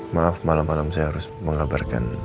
maaf malam malam saya harus mengabarkan